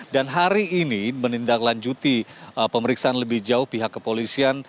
dan hari ini menindaklanjuti pemeriksaan lebih jauh pihak kepolisian